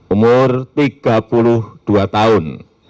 umur tiga puluh dua tahun